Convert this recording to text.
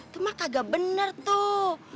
tuh mah kagak bener tuh